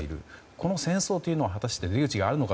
この戦争は果たして出口があるのか。